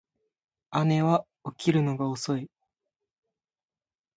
姉は起きるのが遅い